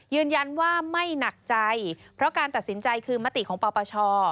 ยืนยันว่าไม่หนักใจเพราะการตัดสินใจคือมติของปปช